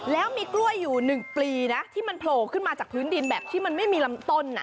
แล้วมีกล้วยอยู่๑ปลีนะที่มันโผล่ขึ้นมาจากพื้นดินแบบที่มันไม่มีลำต้น